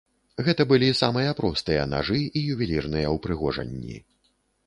Гэта былі самыя простыя нажы і ювелірныя ўпрыгожанні.